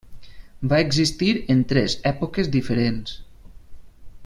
Va existir en tres èpoques diferents.